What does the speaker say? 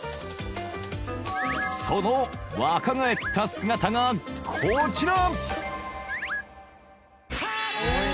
その若返った姿がこちら